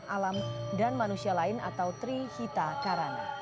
alam dan manusia lain atau trihita karana